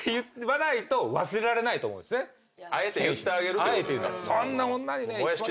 あえて言ってあげるということですか。